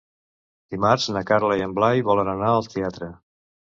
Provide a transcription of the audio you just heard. Dimarts na Carla i en Blai volen anar al teatre.